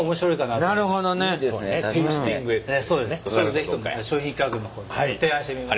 是非とも商品企画の方に提案してみます。